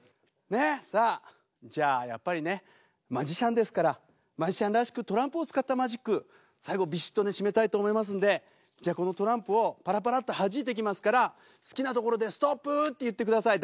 さあじゃあやっぱりねマジシャンですからマジシャンらしくトランプを使ったマジック最後ビシッとね締めたいと思いますんでじゃあこのトランプをパラパラッとはじいていきますから好きなところでストップって言ってください。